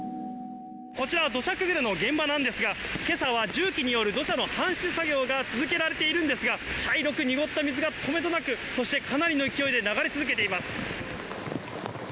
こちら、土砂崩れの現場なんですが、けさは重機による土砂の搬出作業が続けられているんですが、茶色く濁った水がとめどなく、そしてかなりの勢いで流れ続けています。